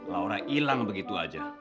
laura hilang begitu aja